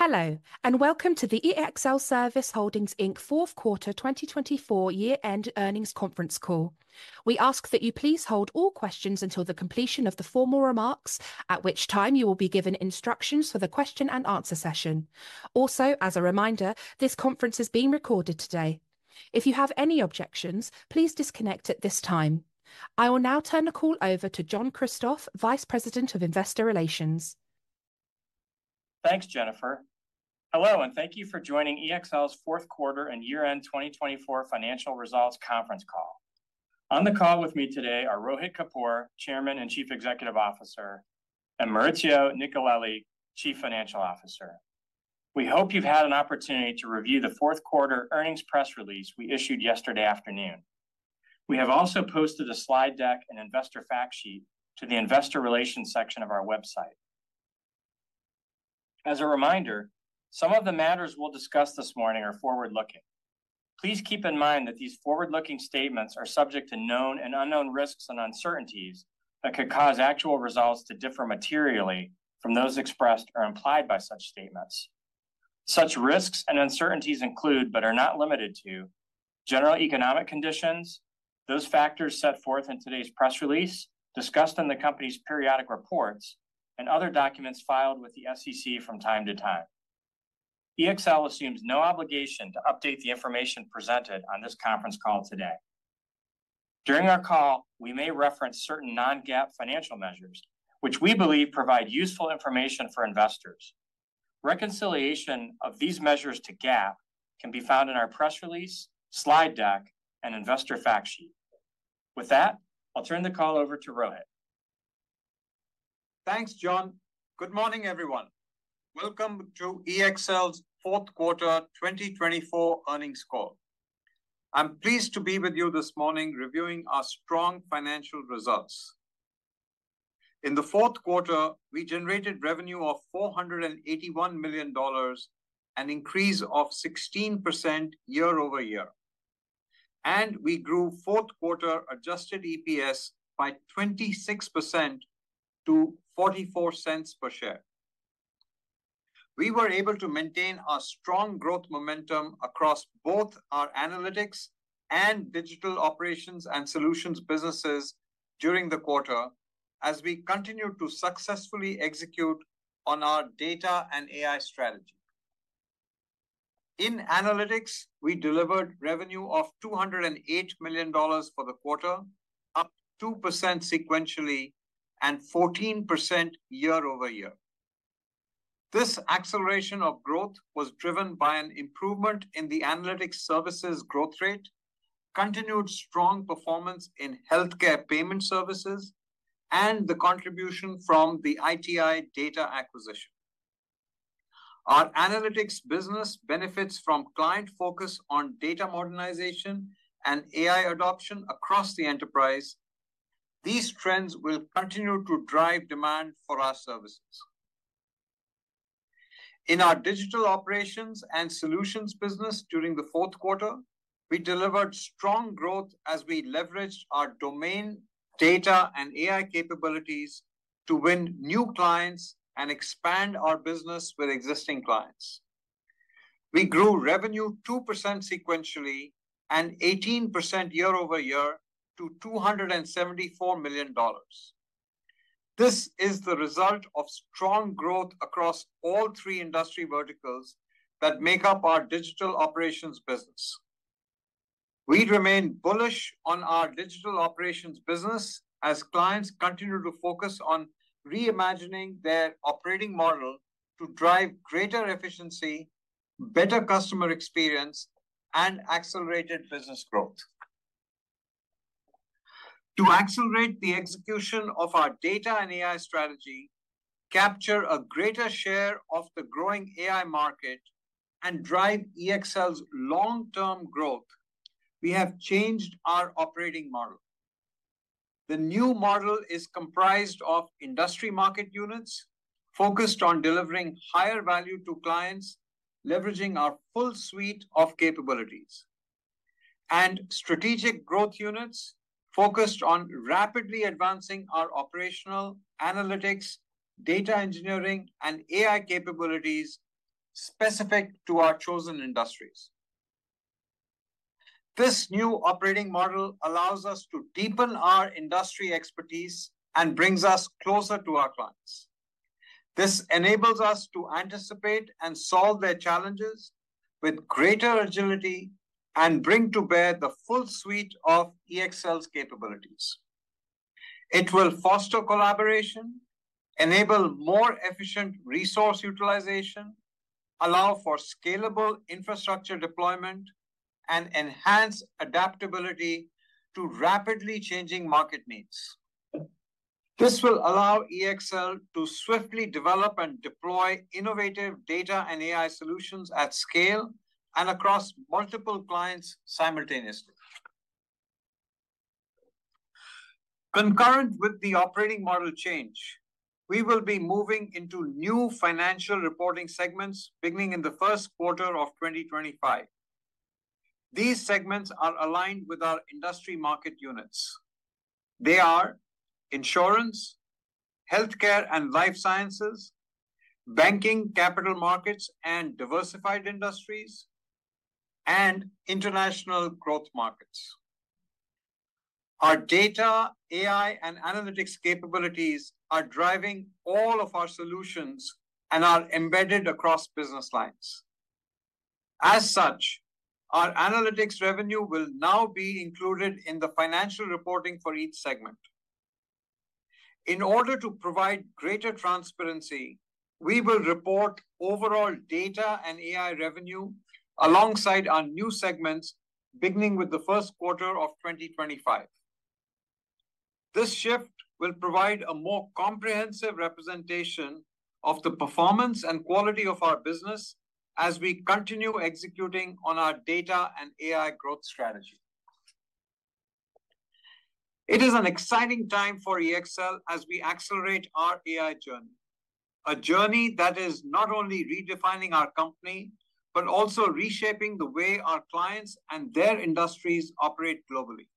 Hello, and welcome to the EXL Service Holdings, Inc. fourth quarter 2024 year-end earnings conference call. We ask that you please hold all questions until the completion of the formal remarks, at which time you will be given instructions for the question-and-answer session. Also, as a reminder, this conference is being recorded today. If you have any objections, please disconnect at this time. I will now turn the call over to John Kristoff, Vice President of Investor Relations. Thanks, Jennifer. Hello, and thank you for joining EXL's fourth quarter and year-end 2024 financial results conference call. On the call with me today are Rohit Kapoor, Chairman and Chief Executive Officer, and Maurizio Nicolelli, Chief Financial Officer. We hope you've had an opportunity to review the fourth quarter earnings press release we issued yesterday afternoon. We have also posted a slide deck and investor fact sheet to the Investor Relations section of our website. As a reminder, some of the matters we'll discuss this morning are forward-looking. Please keep in mind that these forward-looking statements are subject to known and unknown risks and uncertainties that could cause actual results to differ materially from those expressed or implied by such statements. Such risks and uncertainties include, but are not limited to, general economic conditions, those factors set forth in today's press release, discussed in the company's periodic reports, and other documents filed with the SEC from time to time. EXL assumes no obligation to update the information presented on this conference call today. During our call, we may reference certain non-GAAP financial measures, which we believe provide useful information for investors. Reconciliation of these measures to GAAP can be found in our press release, slide deck, and investor fact sheet. With that, I'll turn the call over to Rohit. Thanks, John. Good morning, everyone. Welcome to EXL's fourth quarter 2024 earnings call. I'm pleased to be with you this morning reviewing our strong financial results. In the fourth quarter, we generated revenue of $481 million and an increase of 16% year-over-year. And we grew fourth quarter adjusted EPS by 26% to $0.44 per share. We were able to maintain our strong growth momentum across both our Analytics and Digital Operations and Solutions businesses during the quarter, as we continued to successfully execute on our data and AI strategy. In Analytics, we delivered revenue of $208 million for the quarter, up 2% sequentially and 14% year-over-year. This acceleration of growth was driven by an improvement in the Analytics services growth rate, continued strong performance in healthcare payment services, and the contribution from the ITI Data acquisition. Our Analytics business benefits from client focus on data modernization and AI adoption across the enterprise. These trends will continue to drive demand for our services. In our Digital Operations and Solutions business during the fourth quarter, we delivered strong growth as we leveraged our domain data and AI capabilities to win new clients and expand our business with existing clients. We grew revenue 2% sequentially and 18% year-over-year to $274 million. This is the result of strong growth across all three industry verticals that make up our Digital Operations business. We remain bullish on our Digital Operations business as clients continue to focus on reimagining their operating model to drive greater efficiency, better customer experience, and accelerated business growth. To accelerate the execution of our data and AI strategy, capture a greater share of the growing AI market, and drive EXL's long-term growth, we have changed our operating model. The new model is comprised of industry market units focused on delivering higher value to clients, leveraging our full suite of capabilities, and strategic growth units focused on rapidly advancing our operational Analytics, data engineering, and AI capabilities specific to our chosen industries. This new operating model allows us to deepen our industry expertise and brings us closer to our clients. This enables us to anticipate and solve their challenges with greater agility and bring to bear the full suite of EXL's capabilities. It will foster collaboration, enable more efficient resource utilization, allow for scalable infrastructure deployment, and enhance adaptability to rapidly changing market needs. This will allow EXL to swiftly develop and deploy innovative data and AI solutions at scale and across multiple clients simultaneously. Concurrent with the operating model change, we will be moving into new financial reporting segments beginning in the first quarter of 2025. These segments are aligned with our industry market units. They are Insurance, Healthcare and Life Sciences, Banking, Capital Markets and Diversified Industries, and International Growth Markets. Our data, AI, and Analytics capabilities are driving all of our solutions and are embedded across business lines. As such, our Analytics revenue will now be included in the financial reporting for each segment. In order to provide greater transparency, we will report overall data and AI revenue alongside our new segments beginning with the first quarter of 2025. This shift will provide a more comprehensive representation of the performance and quality of our business as we continue executing on our data and AI growth strategy. It is an exciting time for EXL as we accelerate our AI journey, a journey that is not only redefining our company but also reshaping the way our clients and their industries operate globally.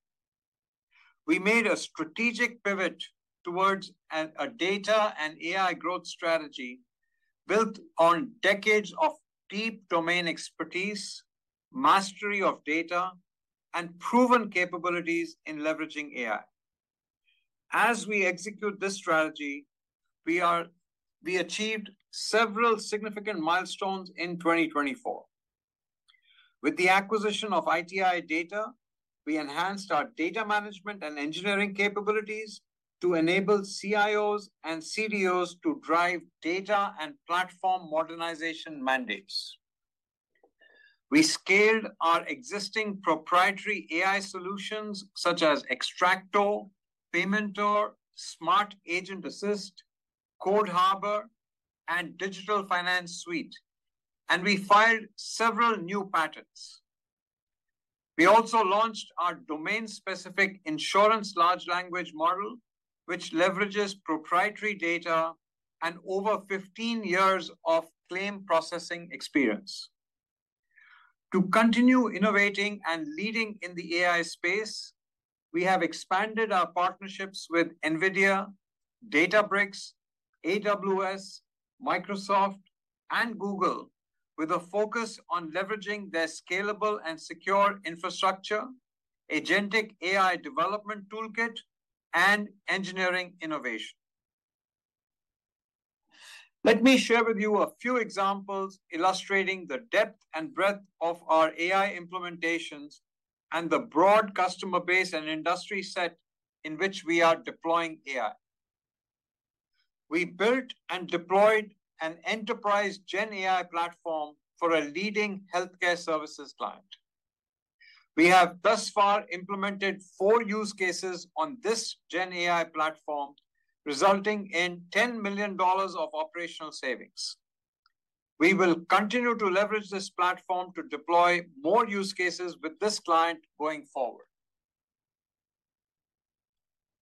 We made a strategic pivot towards a data and AI growth strategy built on decades of deep domain expertise, mastery of data, and proven capabilities in leveraging AI. As we execute this strategy, we achieved several significant milestones in 2024. With the acquisition of ITI Data, we enhanced our data management and engineering capabilities to enable CIOs and CDOs to drive data and platform modernization mandates. We scaled our existing proprietary AI solutions such as XTRAKTO, Paymentor, Smart Agent Assist, Code Harbor, and Digital Finance Suite, and we filed several new patents. We also launched our domain-specific Insurance large language model, which leverages proprietary data and over 15 years of claim processing experience. To continue innovating and leading in the AI space, we have expanded our partnerships with NVIDIA, Databricks, AWS, Microsoft, and Google with a focus on leveraging their scalable and secure infrastructure, agentic AI development toolkit, and engineering innovation. Let me share with you a few examples illustrating the depth and breadth of our AI implementations and the broad customer base and industry set in which we are deploying AI. We built and deployed an enterprise GenAI platform for a leading Healthcare services client. We have thus far implemented four use cases on this GenAI platform, resulting in $10 million of operational savings. We will continue to leverage this platform to deploy more use cases with this client going forward.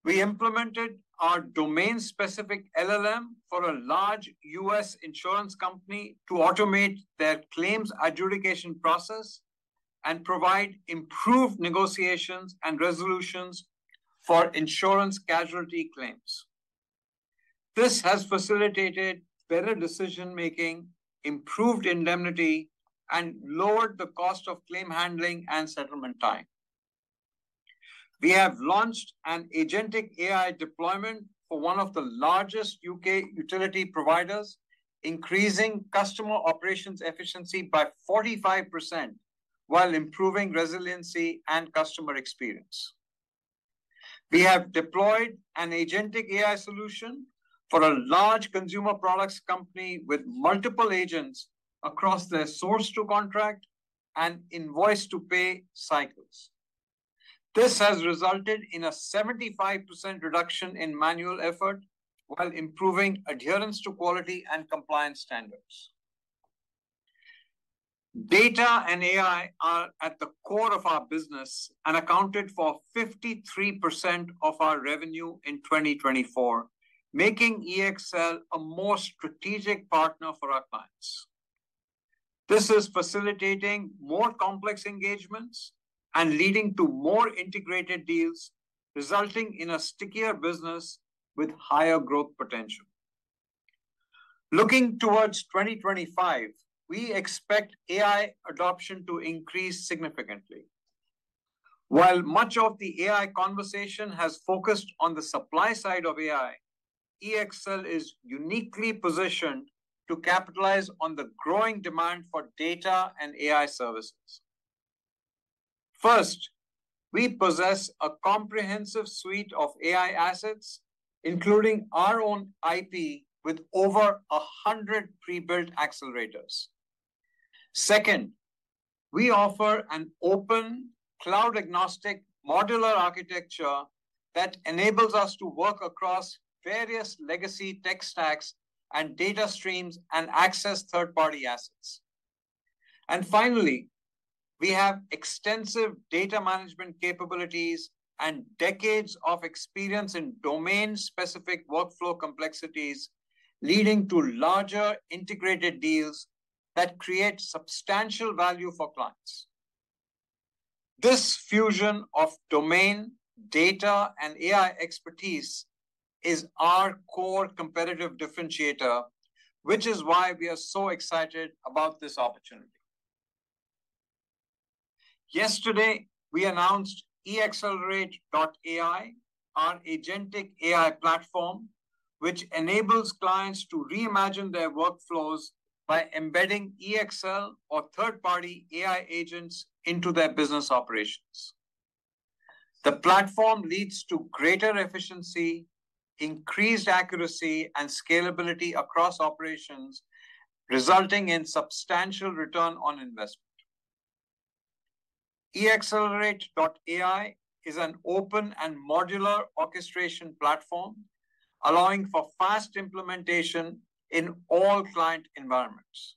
We implemented our domain-specific LLM for a large U.S. Insurance company to automate their claims adjudication process and provide improved negotiations and resolutions for Insurance casualty claims. This has facilitated better decision-making, improved indemnity, and lowered the cost of claim handling and settlement time. We have launched an agentic AI deployment for one of the largest UK utility providers, increasing customer operations efficiency by 45% while improving resiliency and customer experience. We have deployed an agentic AI solution for a large consumer products company with multiple agents across their source-to-contract and invoice-to-pay cycles. This has resulted in a 75% reduction in manual effort while improving adherence to quality and compliance standards. Data and AI are at the core of our business and accounted for 53% of our revenue in 2024, making EXL a more strategic partner for our clients. This is facilitating more complex engagements and leading to more integrated deals, resulting in a stickier business with higher growth potential. Looking towards 2025, we expect AI adoption to increase significantly. While much of the AI conversation has focused on the supply side of AI, EXL is uniquely positioned to capitalize on the growing demand for data and AI services. First, we possess a comprehensive suite of AI assets, including our own IP with over 100 pre-built accelerators. Second, we offer an open, cloud-agnostic modular architecture that enables us to work across various legacy tech stacks and data streams and access third-party assets. And finally, we have extensive data management capabilities and decades of experience in domain-specific workflow complexities, leading to larger integrated deals that create substantial value for clients. This fusion of domain, data, and AI expertise is our core competitive differentiator, which is why we are so excited about this opportunity. Yesterday, we announced EXLerateAI, our agentic AI platform, which enables clients to reimagine their workflows by embedding EXL or third-party AI agents into their business operations. The platform leads to greater efficiency, increased accuracy, and scalability across operations, resulting in substantial return on investment. EXLerateAI is an open and modular orchestration platform, allowing for fast implementation in all client environments.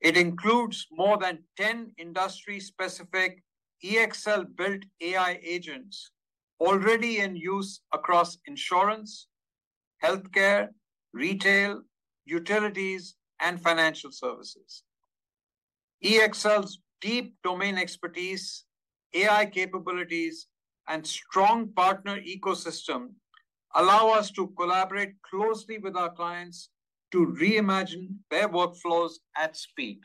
It includes more than 10 industry-specific EXL-built AI agents already in use across Insurance, Healthcare, retail, utilities, and financial services. EXL's deep domain expertise, AI capabilities, and strong partner ecosystem allow us to collaborate closely with our clients to reimagine their workflows at speed.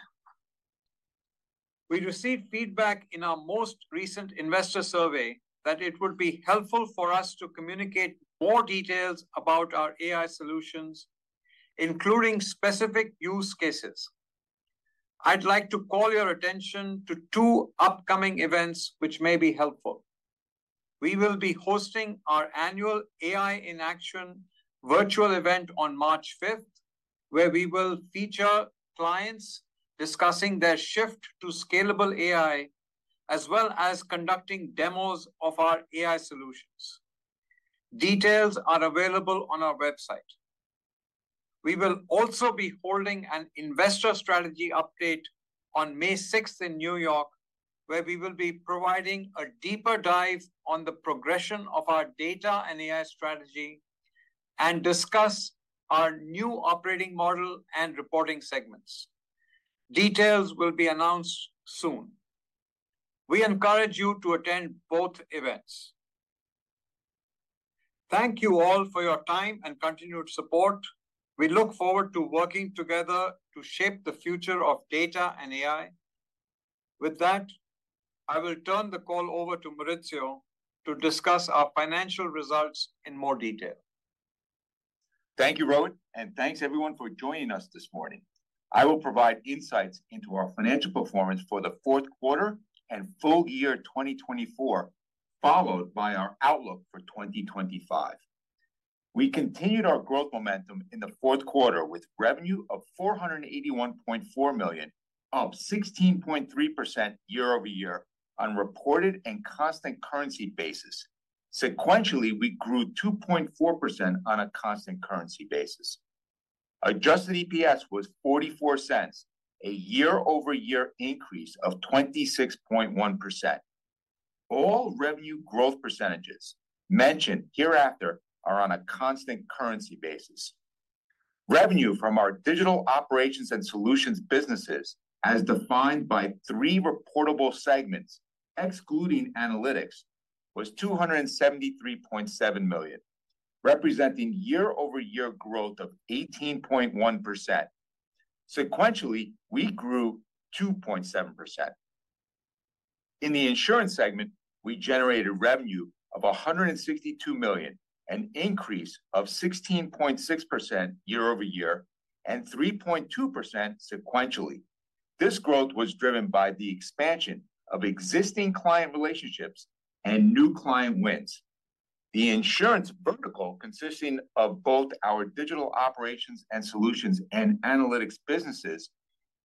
We received feedback in our most recent investor survey that it would be helpful for us to communicate more details about our AI solutions, including specific use cases. I'd like to call your attention to two upcoming events which may be helpful. We will be hosting our annual AI in Action virtual event on March 5th, where we will feature clients discussing their shift to scalable AI, as well as conducting demos of our AI solutions. Details are available on our website. We will also be holding an investor strategy update on May 6th in New York, where we will be providing a deeper dive on the progression of our data and AI strategy and discuss our new operating model and reporting segments. Details will be announced soon. We encourage you to attend both events. Thank you all for your time and continued support. We look forward to working together to shape the future of data and AI. With that, I will turn the call over to Maurizio to discuss our financial results in more detail. Thank you, Rohit, and thanks everyone for joining us this morning. I will provide insights into our financial performance for the fourth quarter and full year 2024, followed by our outlook for 2025. We continued our growth momentum in the fourth quarter with revenue of $481.4 million, up 16.3% year-over-year on a reported and constant currency basis. Sequentially, we grew 2.4% on a constant currency basis. Adjusted EPS was $0.44, a year-over-year increase of 26.1%. All revenue growth percentages mentioned hereafter are on a constant currency basis. Revenue from our Digital Operations and Solutions businesses, as defined by three reportable segments excluding Analytics, was $273.7 million, representing year-over-year growth of 18.1%. Sequentially, we grew 2.7%. In the Insurance segment, we generated revenue of $162 million, an increase of 16.6% year-over-year and 3.2% sequentially. This growth was driven by the expansion of existing client relationships and new client wins. The Insurance vertical, consisting of both our Digital Operations and Solutions and Analytics businesses,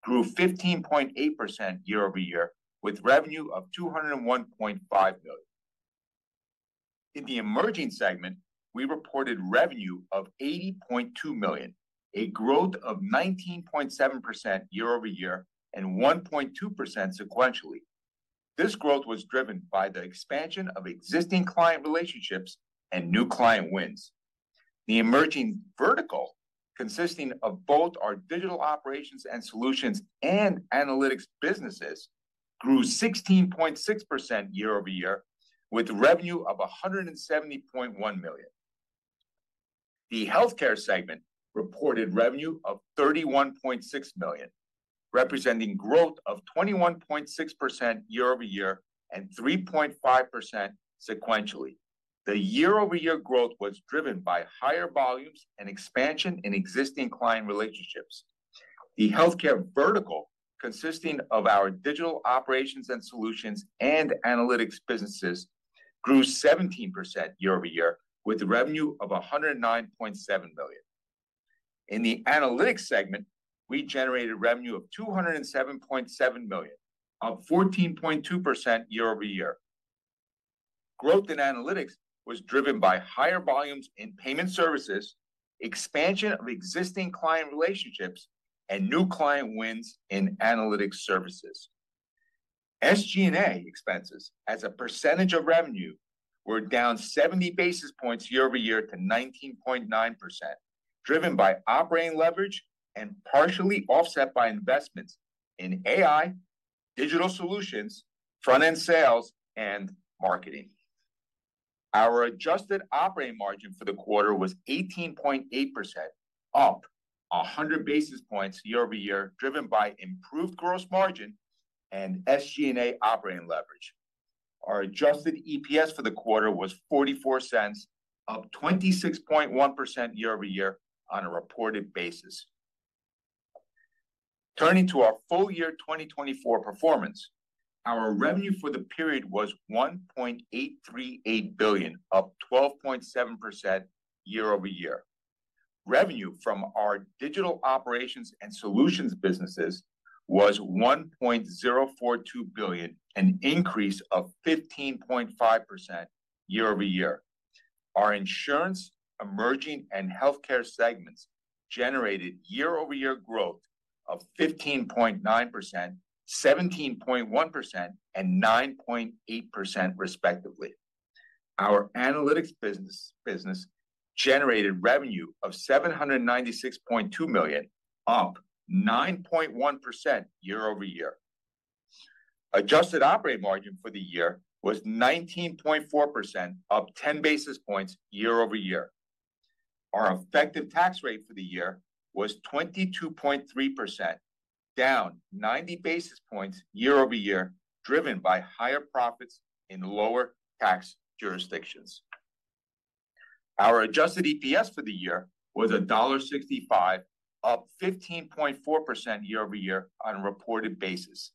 grew 15.8% year-over-year with revenue of $201.5 million. In the Emerging segment, we reported revenue of $80.2 million, a growth of 19.7% year-over-year and 1.2% sequentially. This growth was driven by the expansion of existing client relationships and new client wins. The Emerging vertical, consisting of both our Digital Operations and Solutions and Analytics businesses, grew 16.6% year-over-year with revenue of $170.1 million. The Healthcare segment reported revenue of $31.6 million, representing growth of 21.6% year-over-year and 3.5% sequentially. The year-over-year growth was driven by higher volumes and expansion in existing client relationships. The Healthcare vertical, consisting of our Digital Operations and Solutions and Analytics businesses, grew 17% year-over-year with revenue of $109.7 million. In the Analytics segment, we generated revenue of $207.7 million, up 14.2% year-over-year. Growth in Analytics was driven by higher volumes in payment services, expansion of existing client relationships, and new client wins in Analytics services. SG&A expenses, as a percentage of revenue, were down 70 basis points year-over-year to 19.9%, driven by operating leverage and partially offset by investments in AI, digital solutions, front-end sales, and marketing. Our adjusted operating margin for the quarter was 18.8%, up 100 basis points year-over-year, driven by improved gross margin and SG&A operating leverage. Our adjusted EPS for the quarter was $0.44, up 26.1% year-over-year on a reported basis. Turning to our full year 2024 performance, our revenue for the period was $1.838 billion, up 12.7% year-over-year. Revenue from our Digital Operations and Solutions businesses was $1.042 billion, an increase of 15.5% year-over-year. Our Insurance, Emerging, and Healthcare segments generated year-over-year growth of 15.9%, 17.1%, and 9.8%, respectively. Our Analytics business generated revenue of $796.2 million, up 9.1% year-over-year. Adjusted operating margin for the year was 19.4%, up 10 basis points year-over-year. Our effective tax rate for the year was 22.3%, down 90 basis points year-over-year, driven by higher profits in lower tax jurisdictions. Our adjusted EPS for the year was $1.65, up 15.4% year-over-year on a reported basis.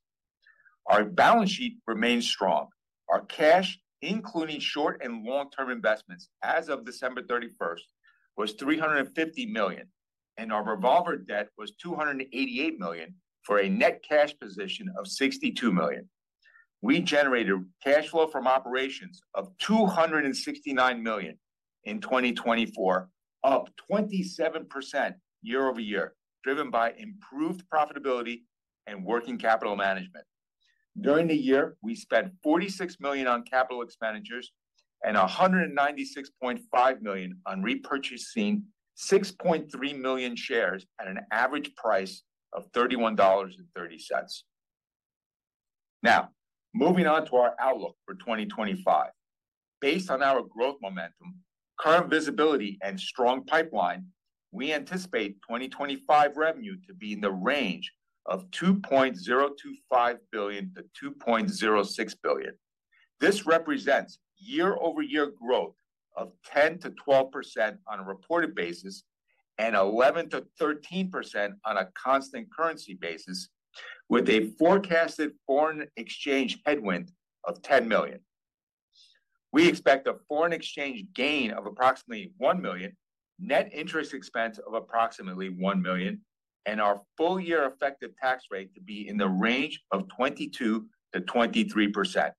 Our balance sheet remained strong. Our cash, including short and long-term investments as of December 31st, was $350 million, and our revolver debt was $288 million for a net cash position of $62 million. We generated cash flow from operations of $269 million in 2024, up 27% year-over-year, driven by improved profitability and working capital management. During the year, we spent $46 million on capital expenditures and $196.5 million on repurchasing 6.3 million shares at an average price of $31.30. Now, moving on to our outlook for 2025. Based on our growth momentum, current visibility, and strong pipeline, we anticipate 2025 revenue to be in the range of $2.025 billion-$2.06 billion. This represents year-over-year growth of 10%-12% on a reported basis and 11%-13% on a constant currency basis, with a forecasted foreign exchange headwind of $10 million. We expect a foreign exchange gain of approximately $1 million, net interest expense of approximately $1 million, and our full year effective tax rate to be in the range of 22%-23%.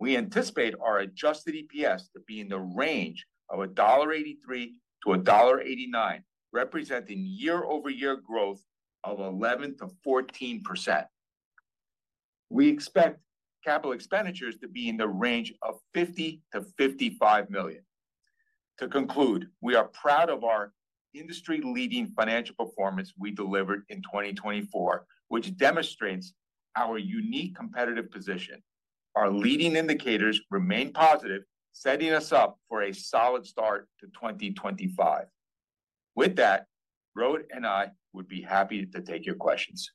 We anticipate our adjusted EPS to be in the range of $1.83-$1.89, representing year-over-year growth of 11%-14%. We expect capital expenditures to be in the range of $50 million-$55 million. To conclude, we are proud of our industry-leading financial performance we delivered in 2024, which demonstrates our unique competitive position. Our leading indicators remain positive, setting us up for a solid start to 2025. With that, Rohit and I would be happy to take your questions.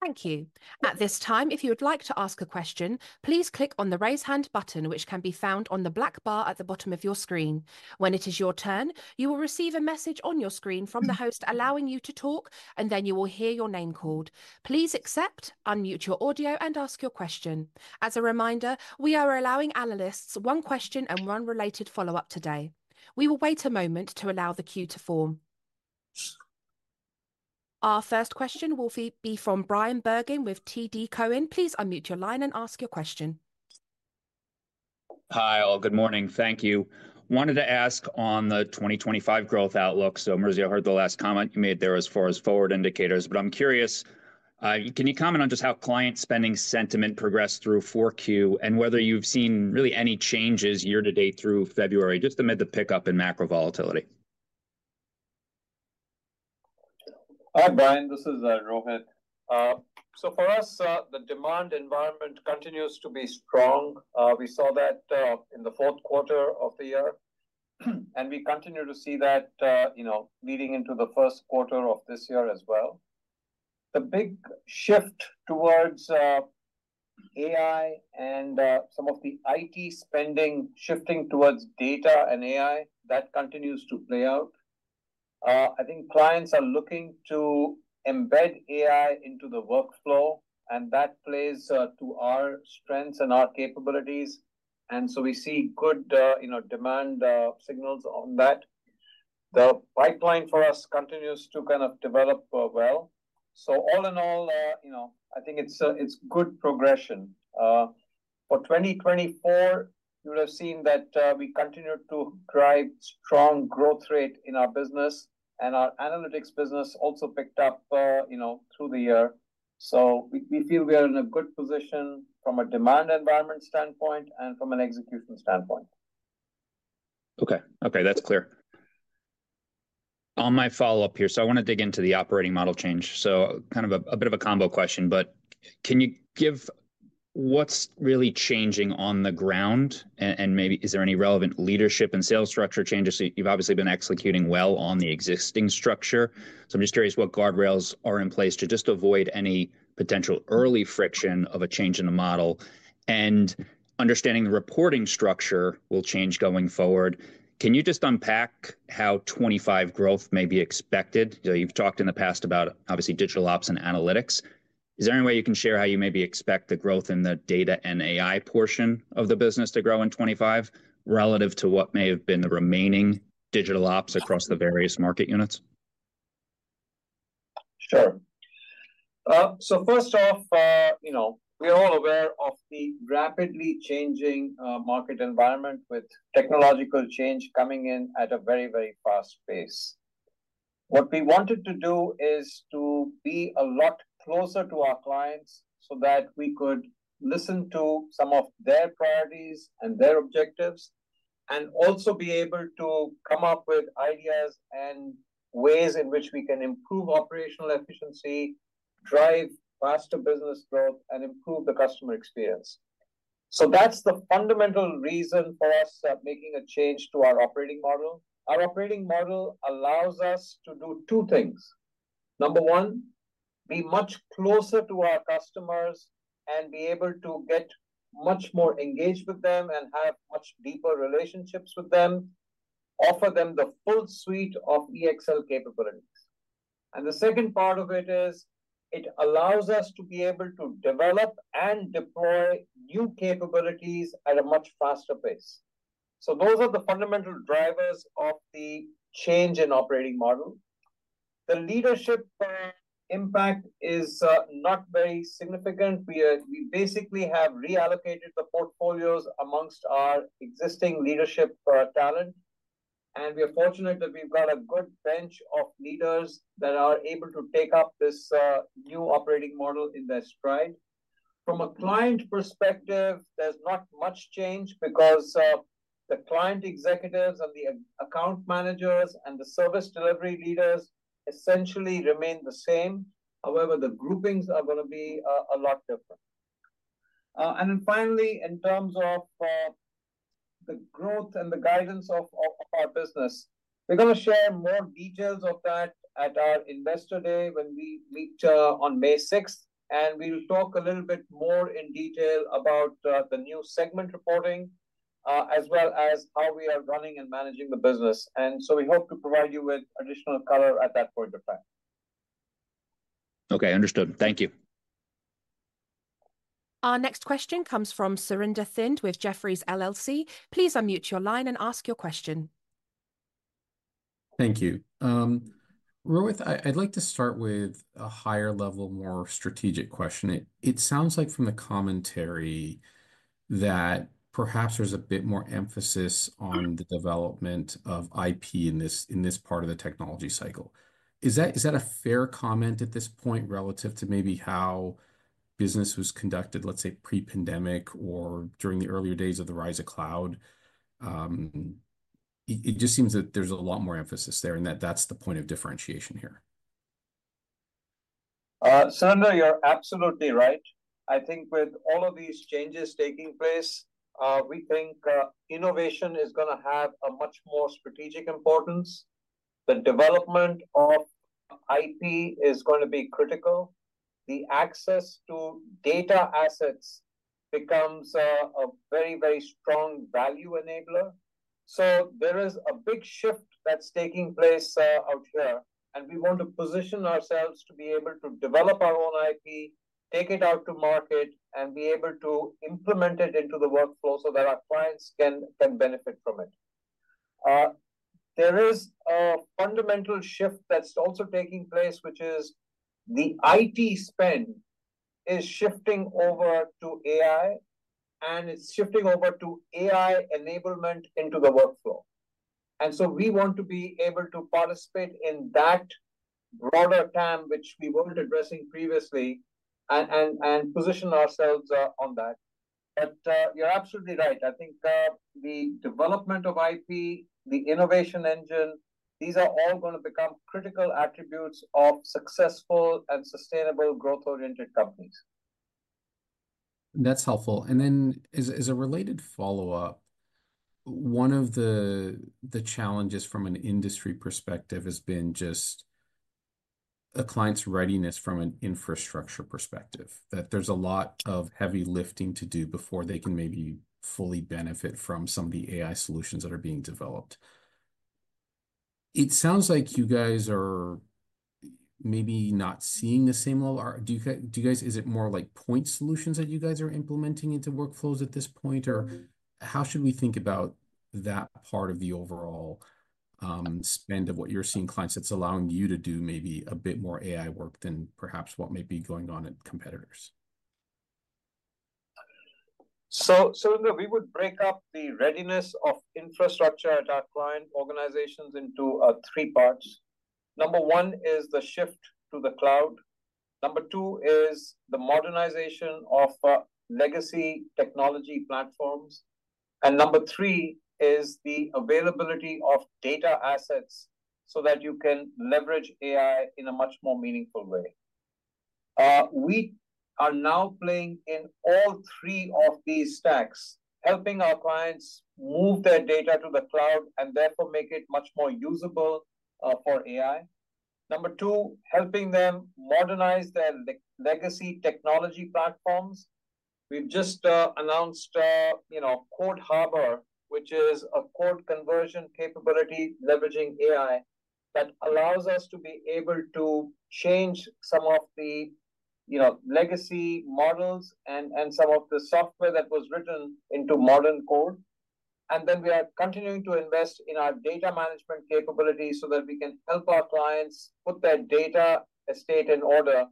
Thank you. At this time, if you would like to ask a question, please click on the raise hand button, which can be found on the black bar at the bottom of your screen. When it is your turn, you will receive a message on your screen from the host allowing you to talk, and then you will hear your name called. Please accept, unmute your audio, and ask your question. As a reminder, we are allowing analysts one question and one related follow-up today. We will wait a moment to allow the queue to form. Our first question will be from Bryan Bergin with TD Cowen. Please unmute your line and ask your question. Hi, all. Good morning. Thank you. Wanted to ask on the 2025 growth outlook. So, Maurizio, I heard the last comment you made there as far as forward indicators, but I'm curious, can you comment on just how client spending sentiment progressed through 4Q and whether you've seen really any changes year-to-date through February, just amid the pickup in macro volatility? Hi, Bryan. This is Rohit. So, for us, the demand environment continues to be strong. We saw that in the fourth quarter of the year, and we continue to see that leading into the first quarter of this year as well. The big shift towards AI and some of the IT spending shifting towards data and AI, that continues to play out. I think clients are looking to embed AI into the workflow, and that plays to our strengths and our capabilities. And so, we see good demand signals on that. The pipeline for us continues to kind of develop well. So, all in all, I think it's good progression. For 2024, you would have seen that we continue to drive strong growth rate in our business, and our Analytics business also picked up through the year. So, we feel we are in a good position from a demand environment standpoint and from an execution standpoint. Okay. Okay. That's clear. On my follow-up here, so I want to dig into the operating model change. So, kind of a bit of a combo question, but can you give what's really changing on the ground, and maybe is there any relevant leadership and sales structure changes? So, you've obviously been executing well on the existing structure. So, I'm just curious what guardrails are in place to just avoid any potential early friction of a change in the model. And understanding the reporting structure will change going forward. Can you just unpack how 2025 growth may be expected? You've talked in the past about, obviously, digital ops and Analytics. Is there any way you can share how you maybe expect the growth in the data and AI portion of the business to grow in 2025 relative to what may have been the remaining digital ops across the various market units? Sure. So, first off, we are all aware of the rapidly changing market environment with technological change coming in at a very, very fast pace. What we wanted to do is to be a lot closer to our clients so that we could listen to some of their priorities and their objectives, and also be able to come up with ideas and ways in which we can improve operational efficiency, drive faster business growth, and improve the customer experience. So, that's the fundamental reason for us making a change to our operating model. Our operating model allows us to do two things. Number one, be much closer to our customers and be able to get much more engaged with them and have much deeper relationships with them, offer them the full suite of EXL capabilities. And the second part of it is it allows us to be able to develop and deploy new capabilities at a much faster pace. So, those are the fundamental drivers of the change in operating model. The leadership impact is not very significant. We basically have reallocated the portfolios amongst our existing leadership talent, and we are fortunate that we've got a good bench of leaders that are able to take up this new operating model in their stride. From a client perspective, there's not much change because the client executives and the account managers and the service delivery leaders essentially remain the same. However, the groupings are going to be a lot different. And then finally, in terms of the growth and the guidance of our business, we're going to share more details of that at our Investor Day when we meet on May 6th, and we will talk a little bit more in detail about the new segment reporting as well as how we are running and managing the business. And so, we hope to provide you with additional color at that point of time. Okay. Understood. Thank you. Our next question comes from Surinder Thind with Jefferies LLC. Please unmute your line and ask your question. Thank you. Rohit, I'd like to start with a higher level, more strategic question. It sounds like from the commentary that perhaps there's a bit more emphasis on the development of IP in this part of the technology cycle. Is that a fair comment at this point relative to maybe how business was conducted, let's say, pre-pandemic or during the earlier days of the rise of cloud? It just seems that there's a lot more emphasis there and that that's the point of differentiation here. Surinder, you're absolutely right. I think with all of these changes taking place, we think innovation is going to have a much more strategic importance. The development of IP is going to be critical. The access to data assets becomes a very, very strong value enabler. There is a big shift that's taking place out here, and we want to position ourselves to be able to develop our own IP, take it out to market, and be able to implement it into the workflow so that our clients can benefit from it. There is a fundamental shift that's also taking place, which is the IT spend is shifting over to AI, and it's shifting over to AI enablement into the workflow. We want to be able to participate in that broader TAM, which we weren't addressing previously, and position ourselves on that. But you're absolutely right. I think the development of IP, the innovation engine, these are all going to become critical attributes of successful and sustainable growth-oriented companies. That's helpful. And then, as a related follow-up, one of the challenges from an industry perspective has been just the client's readiness from an infrastructure perspective, that there's a lot of heavy lifting to do before they can maybe fully benefit from some of the AI solutions that are being developed. It sounds like you guys are maybe not seeing the same level. Do you guys, is it more like point solutions that you guys are implementing into workflows at this point? Or how should we think about that part of the overall spend of what you're seeing clients that's allowing you to do maybe a bit more AI work than perhaps what may be going on at competitors? So, Surinder, we would break up the readiness of infrastructure at our client organizations into three parts. Number one is the shift to the cloud. Number two is the modernization of legacy technology platforms, and number three is the availability of data assets so that you can leverage AI in a much more meaningful way. We are now playing in all three of these stacks, helping our clients move their data to the cloud and therefore make it much more usable for AI. Number two, helping them modernize their legacy technology platforms. We've just announced Code Harbor, which is a code conversion capability leveraging AI that allows us to be able to change some of the legacy models and some of the software that was written into modern code, and then we are continuing to invest in our data management capabilities so that we can help our clients put their data estate in order,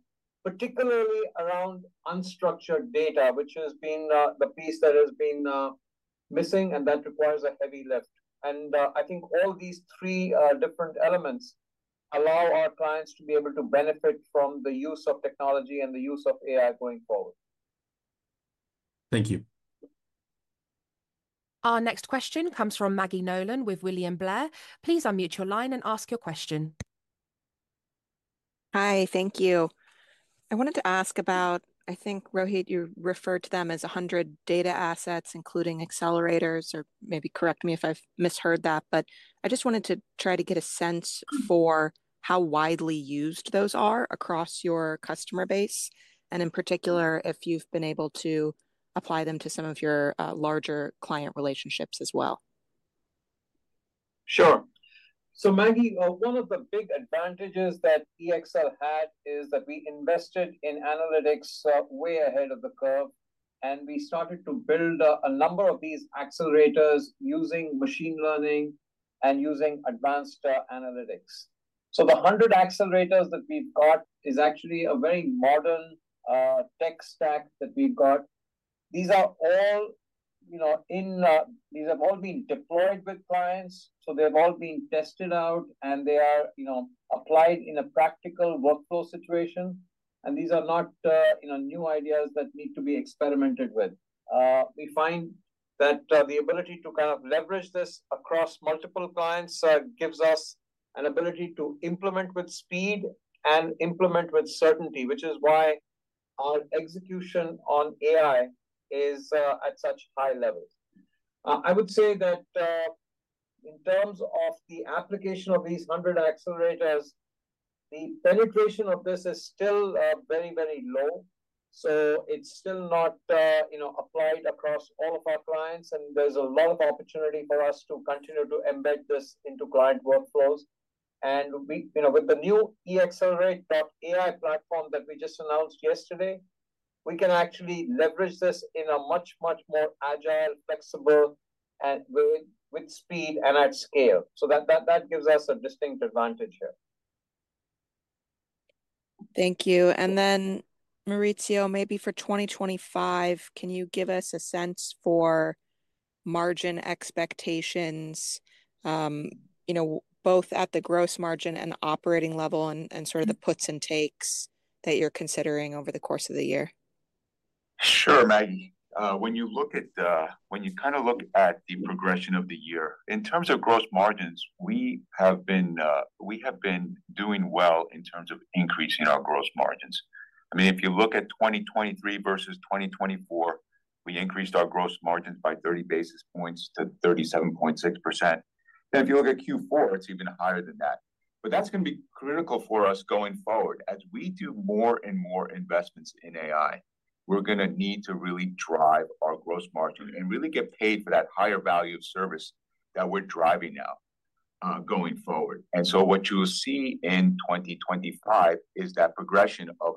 particularly around unstructured data, which has been the piece that has been missing and that requires a heavy lift. And I think all these three different elements allow our clients to be able to benefit from the use of technology and the use of AI going forward. Thank you. Our next question comes from Maggie Nolan with William Blair. Please unmute your line and ask your question. Hi. Thank you. I wanted to ask about, I think, Rohit, you referred to them as 100 data assets, including accelerators, or maybe correct me if I've misheard that, but I just wanted to try to get a sense for how widely used those are across your customer base, and in particular, if you've been able to apply them to some of your larger client relationships as well. Sure. So, Maggie, one of the big advantages that EXL had is that we invested in Analytics way ahead of the curve, and we started to build a number of these accelerators using machine learning and using advanced Analytics. So, the 100 accelerators that we've got is actually a very modern tech stack that we've got. These are all. These have all been deployed with clients, so they've all been tested out, and they are applied in a practical workflow situation. And these are not new ideas that need to be experimented with. We find that the ability to kind of leverage this across multiple clients gives us an ability to implement with speed and implement with certainty, which is why our execution on AI is at such high levels. I would say that in terms of the application of these 100 accelerators, the penetration of this is still very, very low, so it's still not applied across all of our clients, and there's a lot of opportunity for us to continue to embed this into client workflows, and with the new EXLerate.AI platform that we just announced yesterday, we can actually leverage this in a much, much more agile, flexible way with speed and at scale, so that gives us a distinct advantage here. Thank you, and then, Maurizio, maybe for 2025, can you give us a sense for margin expectations, both at the gross margin and operating level, and sort of the puts and takes that you're considering over the course of the year? Sure, Maggie. When you kind of look at the progression of the year, in terms of gross margins, we have been doing well in terms of increasing our gross margins. I mean, if you look at 2023 versus 2024, we increased our gross margins by 30 basis points to 37.6%. And if you look at Q4, it's even higher than that. But that's going to be critical for us going forward. As we do more and more investments in AI, we're going to need to really drive our gross margin and really get paid for that higher value of service that we're driving now going forward. And so, what you'll see in 2025 is that progression of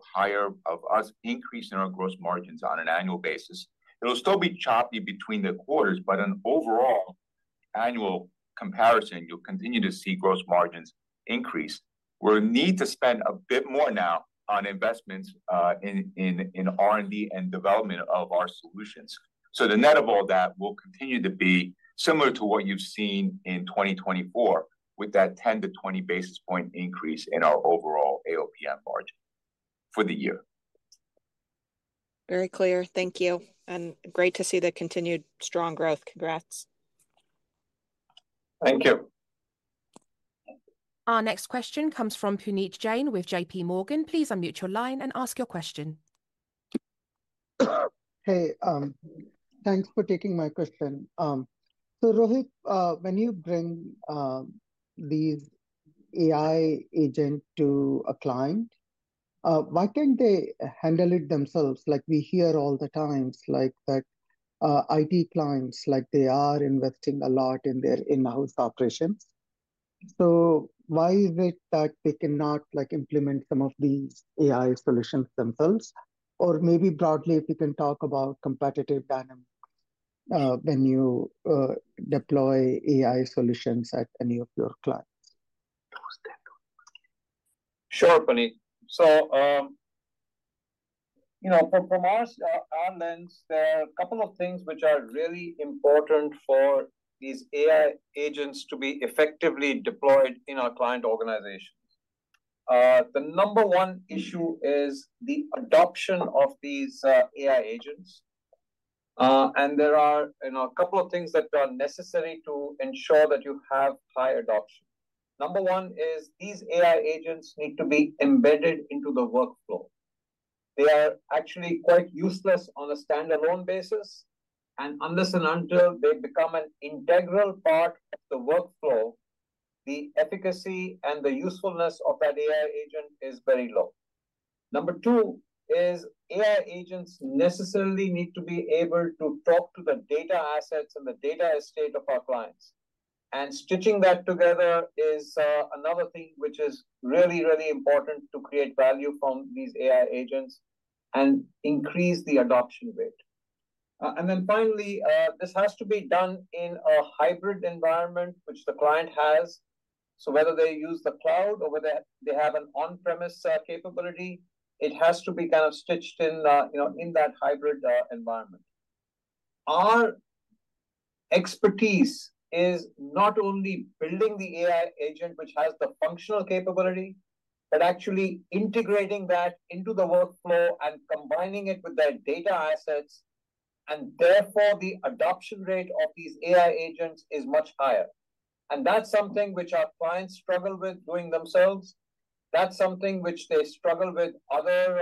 us increasing our gross margins on an annual basis. It'll still be choppy between the quarters, but an overall annual comparison, you'll continue to see gross margins increase. We'll need to spend a bit more now on investments in R&D and development of our solutions. So, the net of all that will continue to be similar to what you've seen in 2024 with that 10 to 20 basis point increase in our overall AOPM margin for the year. Very clear. Thank you. And great to see the continued strong growth. Congrats. Thank you. Our next question comes from Puneet Jain with J.P. Morgan. Please unmute your line and ask your question. Hey, thanks for taking my question. So, Rohit, when you bring these AI agents to a client, why can't they handle it themselves? We hear all the times that IT clients, they are investing a lot in their in-house operations. So, why is it that they cannot implement some of these AI solutions themselves? Or maybe broadly, if you can talk about competitive dynamics when you deploy AI solutions at any of your clients. Sure, Puneet. So, from our lens, there are a couple of things which are really important for these AI agents to be effectively deployed in our client organizations. The number one issue is the adoption of these AI agents. And there are a couple of things that are necessary to ensure that you have high adoption. Number one is these AI agents need to be embedded into the workflow. They are actually quite useless on a standalone basis. And unless and until they become an integral part of the workflow, the efficacy and the usefulness of that AI agent is very low. Number two is AI agents necessarily need to be able to talk to the data assets and the data estate of our clients. Stitching that together is another thing which is really, really important to create value from these AI agents and increase the adoption rate. Then finally, this has to be done in a hybrid environment, which the client has. Whether they use the cloud or whether they have an on-premise capability, it has to be kind of stitched in that hybrid environment. Our expertise is not only building the AI agent, which has the functional capability, but actually integrating that into the workflow and combining it with their data assets. Therefore, the adoption rate of these AI agents is much higher. That's something which our clients struggle with doing themselves. That's something which they struggle with other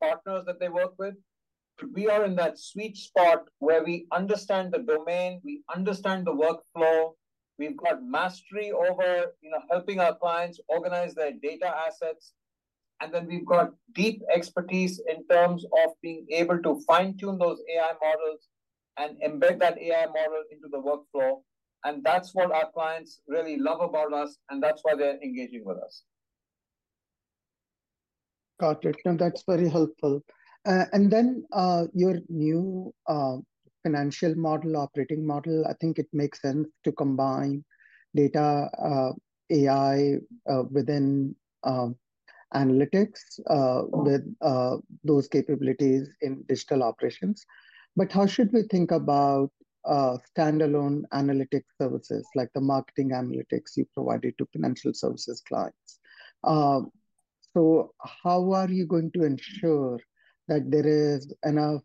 partners that they work with. But we are in that sweet spot where we understand the domain, we understand the workflow, we've got mastery over helping our clients organize their data assets, and then we've got deep expertise in terms of being able to fine-tune those AI models and embed that AI model into the workflow. And that's what our clients really love about us, and that's why they're engaging with us. Got it. No, that's very helpful. And then your new financial model, operating model, I think it makes sense to combine data AI within Analytics with those capabilities in Digital Operations. But how should we think about standalone analytic services, like the marketing Analytics you provided to financial services clients? So, how are you going to ensure that there is enough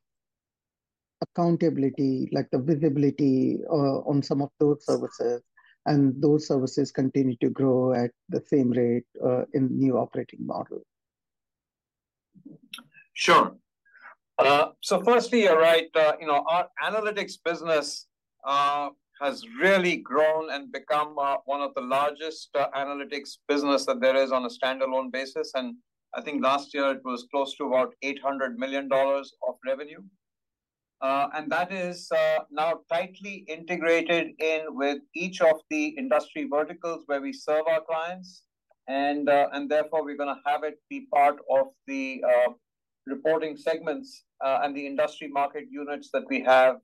accountability, like the visibility on some of those services, and those services continue to grow at the same rate in the new operating model? Sure. So, firstly, you're right. Our Analytics business has really grown and become one of the largest Analytics businesses that there is on a standalone basis. And I think last year, it was close to about $800 million of revenue. And that is now tightly integrated in with each of the industry verticals where we serve our clients. And therefore, we're going to have it be part of the reporting segments and the industry market units that we have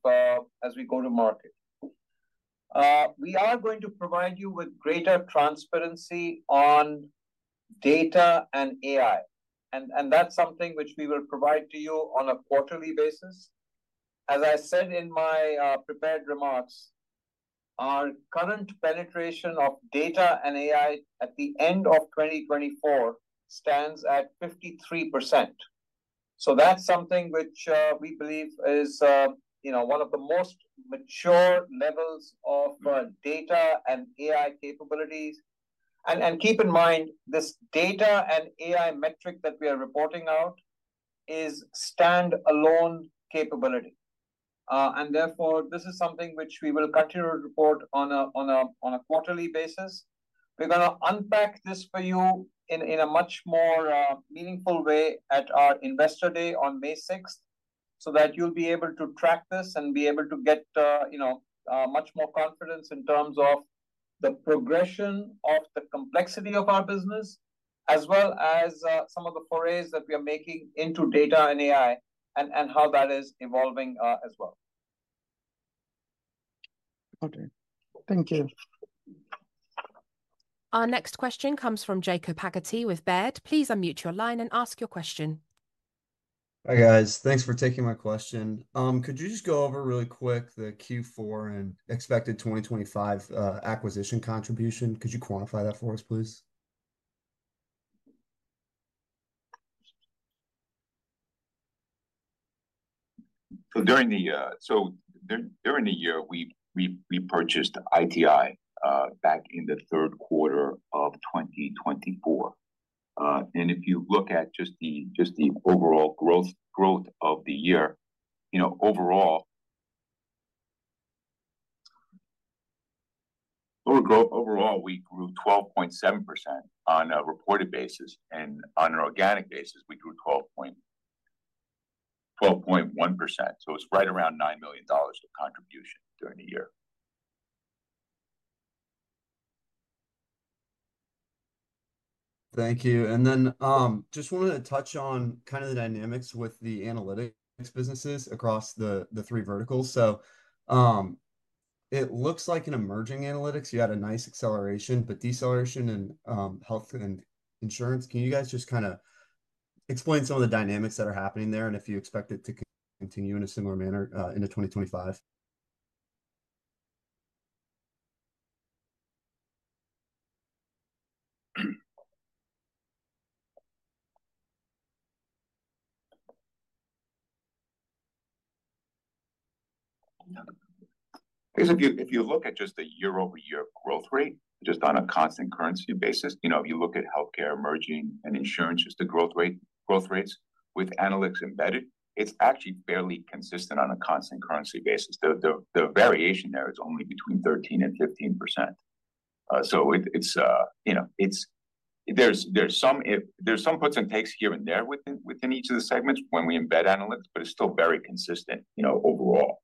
as we go to market. We are going to provide you with greater transparency on data and AI. And that's something which we will provide to you on a quarterly basis. As I said in my prepared remarks, our current penetration of data and AI at the end of 2024 stands at 53%. So, that's something which we believe is one of the most mature levels of data and AI capabilities. And keep in mind, this data and AI metric that we are reporting out is standalone capability. And therefore, this is something which we will continue to report on a quarterly basis. We're going to unpack this for you in a much more meaningful way at our Investor Day on May 6th, so that you'll be able to track this and be able to get much more confidence in terms of the progression of the complexity of our business, as well as some of the forays that we are making into data and AI and how that is evolving as well. Got it. Thank you. Our next question comes from Jacob Hagerty with Baird. Please unmute your line and ask your question. Hi, guys. Thanks for taking my question. Could you just go over really quick the Q4 and expected 2025 acquisition contribution? Could you quantify that for us, please? So, during the year, we purchased ITI back in the third quarter of 2024. And if you look at just the overall growth of the year, overall, we grew 12.7% on a reported basis. And on an organic basis, we grew 12.1%. So, it's right around $9 million of contribution during the year. Thank you. And then just wanted to touch on kind of the dynamics with the Analytics businesses across the three verticals. So, it looks like in Emerging Analytics, you had a nice acceleration, but deceleration in health and Insurance. Can you guys just kind of explain some of the dynamics that are happening there and if you expect it to continue in a similar manner into 2025? I guess if you look at just the year-over-year growth rate, just on a constant currency basis, if you look at Healthcare, Emerging, and Insurance, just the growth rates with Analytics embedded, it's actually fairly consistent on a constant currency basis. The variation there is only between 13% and 15%. So, there's some puts and takes here and there within each of the segments when we embed Analytics, but it's still very consistent overall.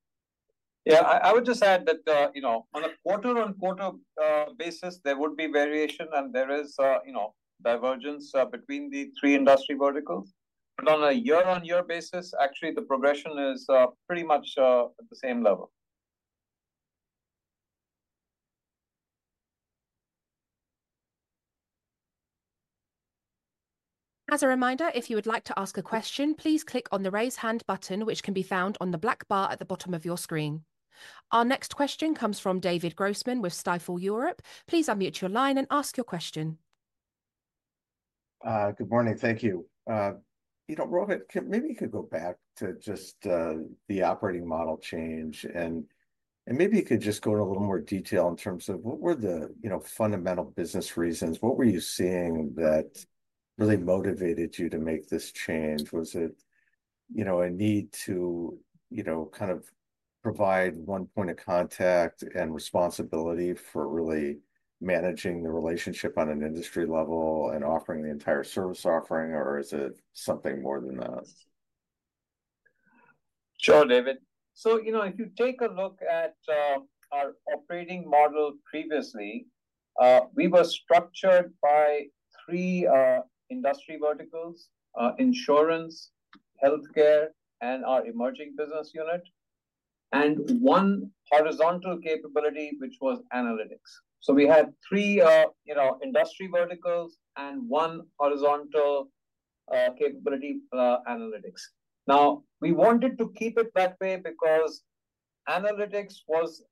Yeah, I would just add that on a quarter-on-quarter basis, there would be variation, and there is divergence between the three industry verticals. But on a year-on-year basis, actually, the progression is pretty much at the same level. As a reminder, if you would like to ask a question, please click on the raise hand button, which can be found on the black bar at the bottom of your screen. Our next question comes from David Grossman with Stifel Europe. Please unmute your line and ask your question. Good morning. Thank you. Rohit, maybe you could go back to just the operating model change, and maybe you could just go into a little more detail in terms of what were the fundamental business reasons? What were you seeing that really motivated you to make this change? Was it a need to kind of provide one point of contact and responsibility for really managing the relationship on an industry level and offering the entire service offering, or is it something more than that? Sure, David. So, if you take a look at our operating model previously, we were structured by three industry verticals: Insurance, Healthcare, and our Emerging business unit, and one horizontal capability, which was Analytics. So, we had three industry verticals and one horizontal capability, Analytics. Now, we wanted to keep it that way because Analytics was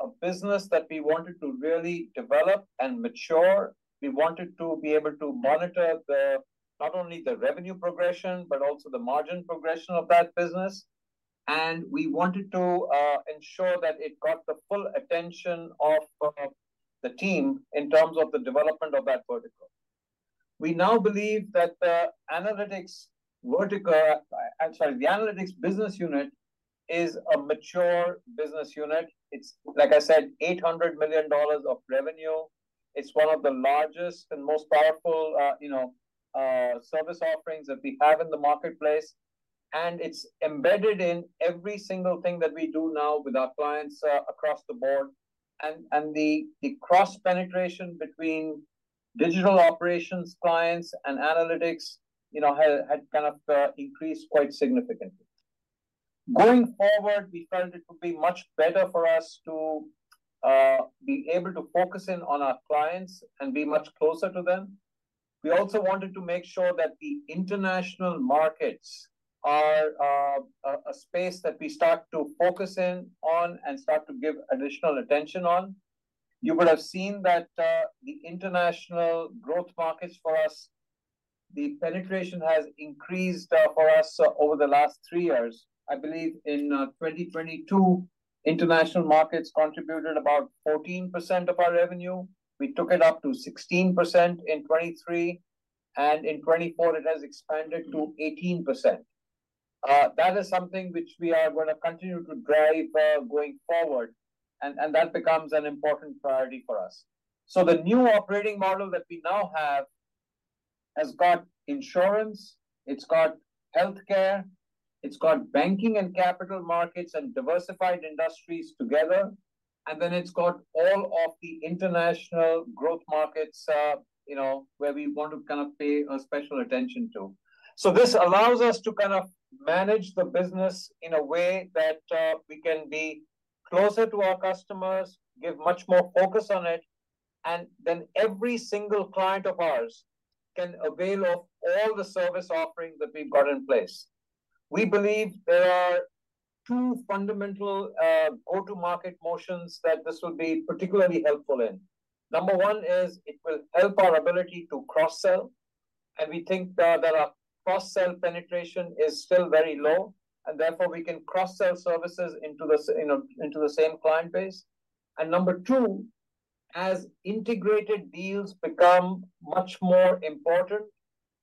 a business that we wanted to really develop and mature. We wanted to be able to monitor not only the revenue progression, but also the margin progression of that business. And we wanted to ensure that it got the full attention of the team in terms of the development of that vertical. We now believe that the Analytics vertical, I'm sorry, the Analytics business unit is a mature business unit. It's, like I said, $800 million of revenue. It's one of the largest and most powerful service offerings that we have in the marketplace. It's embedded in every single thing that we do now with our clients across the board. The cross-penetration between Digital Operations clients and Analytics had kind of increased quite significantly. Going forward, we felt it would be much better for us to be able to focus in on our clients and be much closer to them. We also wanted to make sure that the international markets are a space that we start to focus in on and start to give additional attention on. You would have seen that the International Growth Markets for us, the penetration has increased for us over the last three years. I believe in 2022, international markets contributed about 14% of our revenue. We took it up to 16% in 2023. In 2024, it has expanded to 18%. That is something which we are going to continue to drive going forward. That becomes an important priority for us. The new operating model that we now have has got Insurance, it's got Healthcare, it's got Banking and Capital Markets and diversified industries together. Then it's got all of the International Growth Markets where we want to kind of pay special attention to. This allows us to kind of manage the business in a way that we can be closer to our customers, give much more focus on it, and then every single client of ours can avail of all the service offerings that we've got in place. We believe there are two fundamental go-to-market motions that this will be particularly helpful in. Number one is it will help our ability to cross-sell. We think that our cross-sell penetration is still very low. Therefore, we can cross-sell services into the same client base. And number two, as integrated deals become much more important,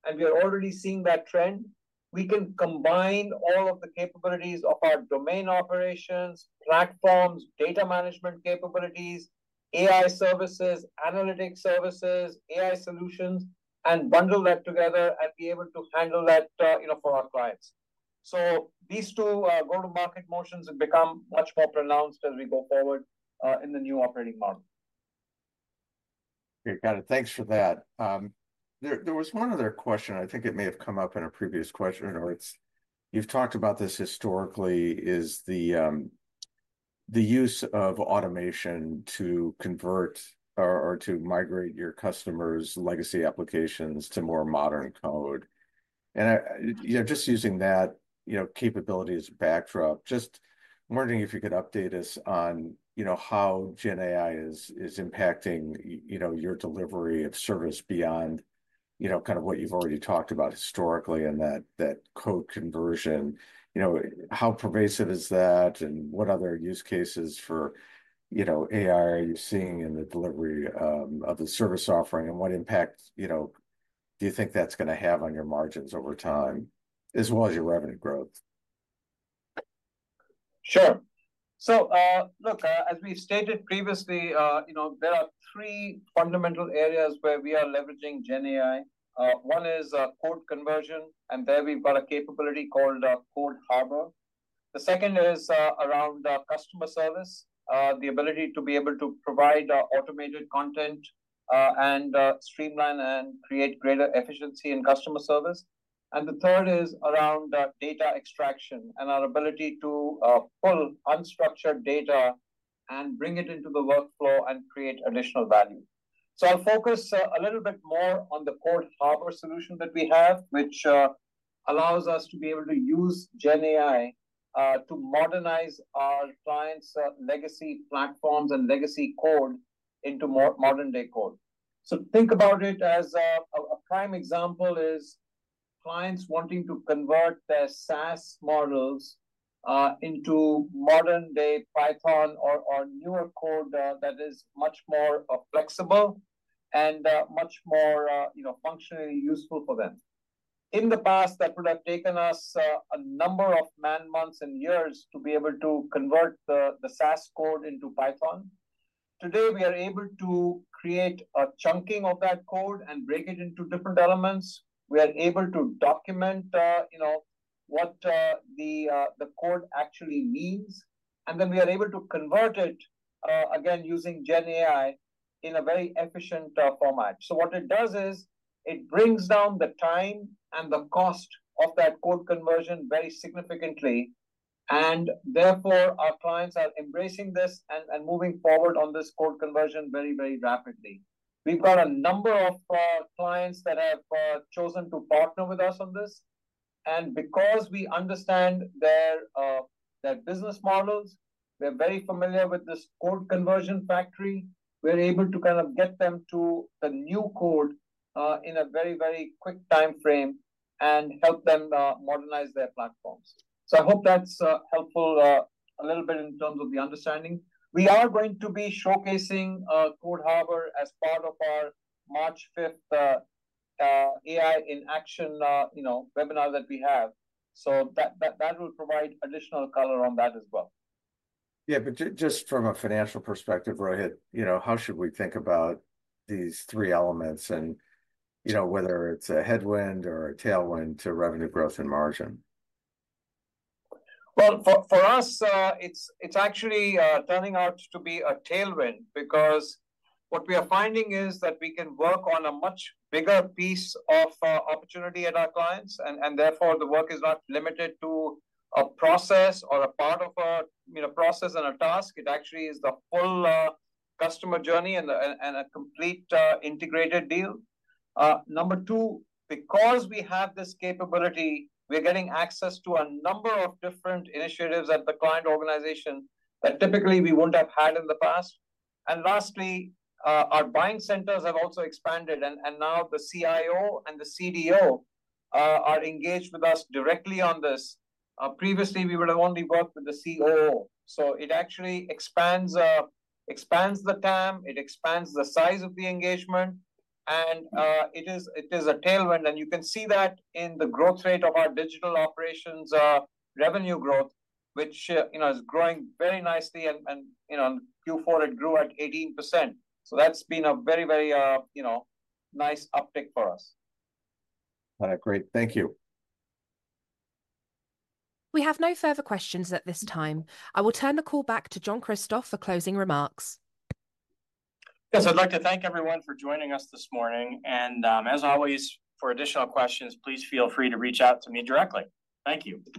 and we are already seeing that trend, we can combine all of the capabilities of our domain operations, platforms, data management capabilities, AI services, analytic services, AI solutions, and bundle that together and be able to handle that for our clients. So, these two go-to-market motions become much more pronounced as we go forward in the new operating model. Got it. Thanks for that. There was one other question. I think it may have come up in a previous question. You've talked about this historically. Is the use of automation to convert or to migrate your customers' legacy applications to more modern code? And just using that capability as a backdrop, just wondering if you could update us on how GenAI is impacting your delivery of service beyond kind of what you've already talked about historically and that code conversion? How pervasive is that? And what other use cases for AI are you seeing in the delivery of the service offering? And what impact do you think that's going to have on your margins over time, as well as your revenue growth? Sure. So, look, as we've stated previously, there are three fundamental areas where we are leveraging GenAI. One is code conversion, and there we've got a capability called Code Harbor. The second is around customer service, the ability to be able to provide automated content and streamline and create greater efficiency in customer service. And the third is around data extraction and our ability to pull unstructured data and bring it into the workflow and create additional value. So, I'll focus a little bit more on the Code Harbor solution that we have, which allows us to be able to use GenAI to modernize our clients' legacy platforms and legacy code into modern-day code. So, think about it as a prime example is clients wanting to convert their SAS models into modern-day Python or newer code that is much more flexible and much more functionally useful for them. In the past, that would have taken us a number of man-months and years to be able to convert the SAS code into Python. Today, we are able to create a chunking of that code and break it into different elements. We are able to document what the code actually means. And then we are able to convert it, again, using GenAI in a very efficient format. So, what it does is it brings down the time and the cost of that code conversion very significantly. And therefore, our clients are embracing this and moving forward on this code conversion very, very rapidly. We've got a number of clients that have chosen to partner with us on this. And because we understand their business models, they're very familiar with this code conversion factory, we're able to kind of get them to the new code in a very, very quick time frame and help them modernize their platforms. So, I hope that's helpful a little bit in terms of the understanding. We are going to be showcasing Code Harbor as part of our March 5th AI in Action webinar that we have. So, that will provide additional color on that as well. Yeah, but just from a financial perspective, Rohit, how should we think about these three elements and whether it's a headwind or a tailwind to revenue growth and margin? For us, it's actually turning out to be a tailwind because what we are finding is that we can work on a much bigger piece of opportunity at our clients. And therefore, the work is not limited to a process or a part of a process and a task. It actually is the full customer journey and a complete integrated deal. Number two, because we have this capability, we're getting access to a number of different initiatives at the client organization that typically we wouldn't have had in the past. And lastly, our buying centers have also expanded. And now the CIO and the CDO are engaged with us directly on this. Previously, we would have only worked with the COO. So, it actually expands the TAM. It expands the size of the engagement. And it is a tailwind. And you can see that in the growth rate of our Digital Operations revenue growth, which is growing very nicely. And in Q4, it grew at 18%. So, that's been a very, very nice uptick for us. All right. Great. Thank you. We have no further questions at this time. I will turn the call back to John Kristoff for closing remarks. Yes, I'd like to thank everyone for joining us this morning. And as always, for additional questions, please feel free to reach out to me directly. Thank you.